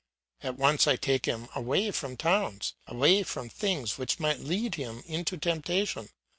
At once I take him away from towns, away from things which might lead him into temptation.